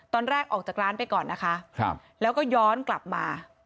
ตอนแรกออกจากร้านไปก่อนนะคะแล้วก็ย้อนกลับมา